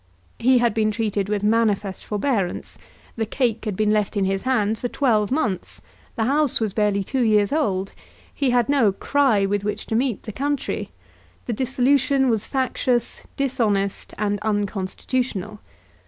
He had been treated with manifest forbearance; the cake had been left in his hands for twelve months; the House was barely two years old; he had no "cry" with which to meet the country; the dissolution was factious, dishonest, and unconstitutional.